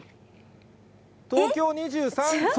東京２３区。